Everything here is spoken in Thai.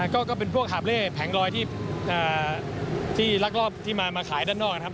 ก็เป็นพวกหาบเล่แผงลอยที่ลักลอบที่มาขายด้านนอกนะครับ